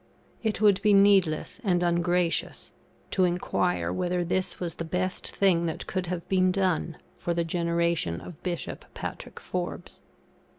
It would be needless and ungracious to enquire whether this was the best thing that could have been done for the generation of Bishop Patrick Forbes.